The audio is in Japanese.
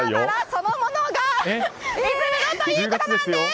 そのものが水風呂ということなんです！